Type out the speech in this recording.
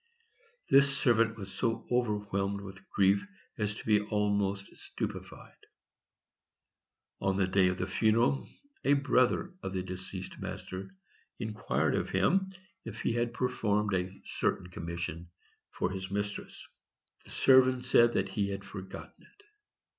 This servant was so overwhelmed with grief as to be almost stupefied. On the day of the funeral a brother of his deceased master inquired of him if he had performed a certain commission for his mistress. The servant said that he had forgotten it.